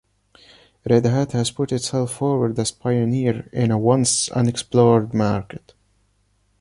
Red Hat has put itself forward as pioneer in a once-unexplored market.